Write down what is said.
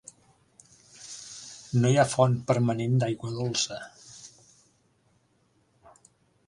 No hi ha font permanent d'aigua dolça.